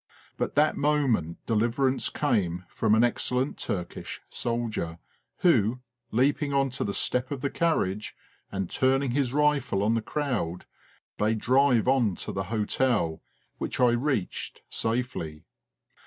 But that moment deliverance came from an excellent Turkish soldier, who, leaping on to the step of the carriage, and turning his rifle on the crowd, bade drive on to the hotel, which I reached safely.